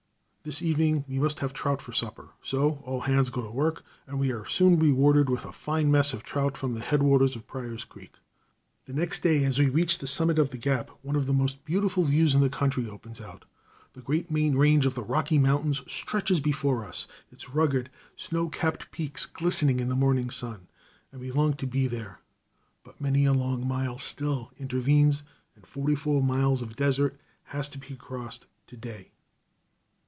This evening we must have trout for supper, so all hands go to work, and we are soon rewarded with a fine mess of trout from the head waters of Pryor's Creek. The next day, as we reach the summit of the gap, one of the most beautiful views in the country opens out. The great main range of the Rocky Mountains stretches before us, its rugged, snow capped peaks glistening in the morning sun, and we long to be there, but many a long mile still intervenes, and forty four miles of desert has to be crossed to day.